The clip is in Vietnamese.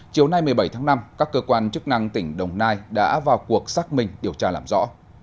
chiều nay một mươi bảy tháng năm các cơ quan chức năng tỉnh đồng nai đã vào cuộc xác minh điều tra làm rõ